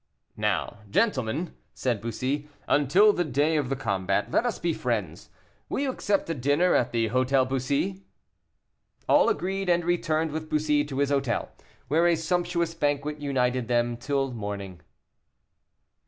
"Now, gentlemen," said Bussy, "until the day of the combat, let us be friends. Will you accept a dinner at the Hôtel Bussy?" All agreed, and returned with Bussy to his hotel, where a sumptuous banquet united them till morning.